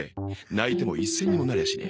泣いても一銭にもなりゃしねえ。